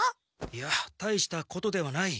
いや大したことではない。